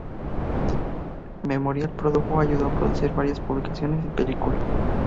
Memorial produjo o ayudó a producir varias publicaciones y películas.